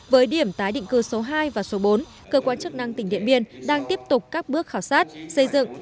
với điểm tái định cư số hai và số bốn cơ quan chức năng tỉnh điện biên đang tiếp tục các bước khảo sát xây dựng